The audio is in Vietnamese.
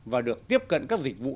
và được tiếp cận các dịch vụ